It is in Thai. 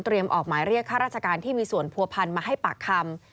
ออกหมายเรียกข้าราชการที่มีส่วนผัวพันมาให้ปากคำ